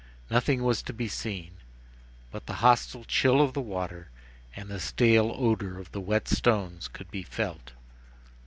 Nothing was to be seen, but the hostile chill of the water and the stale odor of the wet stones could be felt.